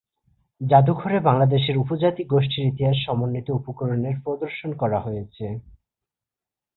জাদুঘরে বাংলাদেশের উপজাতি গোষ্ঠীর ইতিহাস সমন্বিত উপকরণের প্রদর্শন করা হয়েছে।